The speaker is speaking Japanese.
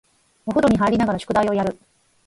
お風呂に入りながら宿題をやる